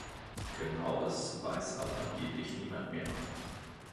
Genaues weiß aber angeblich niemand mehr.